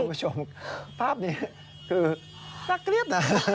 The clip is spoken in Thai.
คุณผู้ชมภาพนี้คือน่าเกลียดนะ